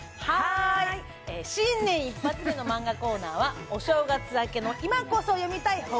はい新年一発目のマンガコーナーはお正月明けの今こそ読みたい